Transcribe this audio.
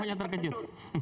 ya saya juga terkejut